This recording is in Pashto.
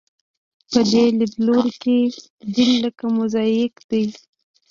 په دې لیدلوري کې دین لکه موزاییک دی.